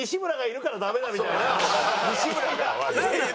西村が悪い。